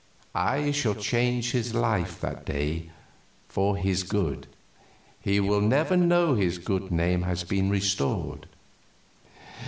I shall change his life that day, for his good. He will never know his good name has been restored."